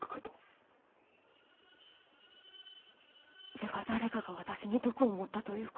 では誰かが私に毒を盛ったということか。